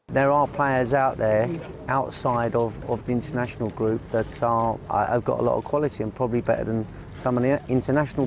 ada pemain di luar grup internasional yang memiliki kualitas yang banyak dan mungkin lebih baik daripada beberapa anak anak internasional